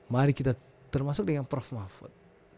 mari kita termasuk dengan prof mahfud